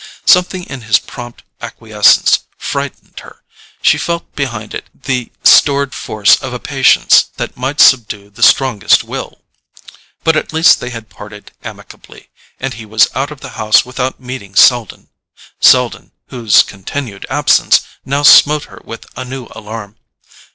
Something in his prompt acquiescence frightened her; she felt behind it the stored force of a patience that might subdue the strongest will. But at least they had parted amicably, and he was out of the house without meeting Selden—Selden, whose continued absence now smote her with a new alarm.